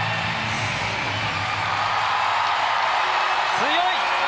強い！